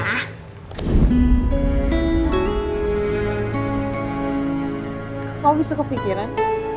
nah kamu bisa kepikiran